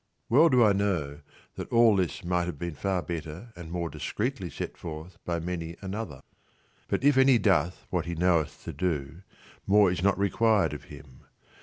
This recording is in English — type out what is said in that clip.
Well do I know that all this might have been far better and more discreetly set forth by many another ; but if any doth what he knoweth to do, more is not required of him.